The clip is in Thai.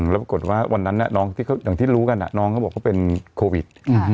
แล้วปรากฏว่าวันนั้นอย่างที่รู้กันน้องเขาบอกเขาเป็นโควิด